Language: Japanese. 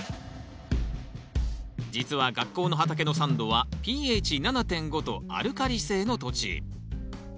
実は学校の畑の酸度はｐＨ７．５とアルカリ性の土地。